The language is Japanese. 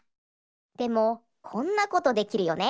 でもこんなことできるよね。